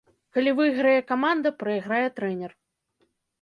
Калі выйграе каманда, прайграе трэнер.